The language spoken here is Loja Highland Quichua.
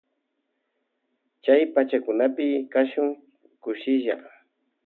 Chay pachakunapi kashun kushilla.